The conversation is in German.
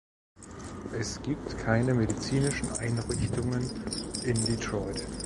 Es gibt keine medizinischen Einrichtungen in Detroit.